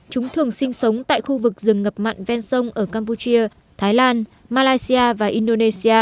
chúng thường sinh sống tại khu vực rừng ngập mặn ven sông ở campuchia thái lan malaysia và indonesia